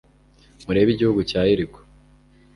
murebe igihugu cya yeriko